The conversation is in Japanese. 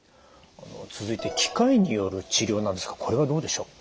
続いて機械による治療なんですがこれはどうでしょう？